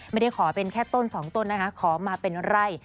ไม่ได้ขอเป็นแค่ต้นสองต้นนะคะขอมาเป็นไร่